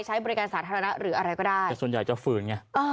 ใช้บริการสาธารณะหรืออะไรก็ได้แต่ส่วนใหญ่จะฝืนไง